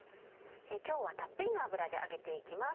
今日はたっぷりの油で揚げて行きます。